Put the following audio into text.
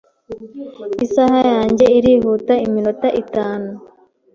Isaha yanjye irihuta iminota itanu.